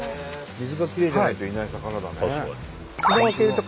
水がきれいじゃないといない魚だね。